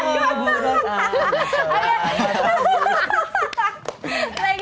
ibu dan anak